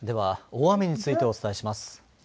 大雨について、お伝えします。